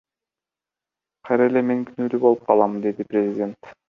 Кайра эле мен күнөөлүү болуп калам, — деди президент.